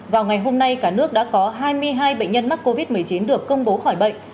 vào ngày hôm nay cả nước đã có hai mươi hai bệnh nhân mắc covid một mươi chín được công bố khỏi bệnh